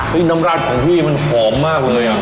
น้ำรัดของพี่มันหอมมากเลยอ่ะ